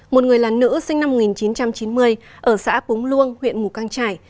một người là nữ sinh năm một nghìn chín trăm chín mươi ở xã búng luông huyện ngũ căng trải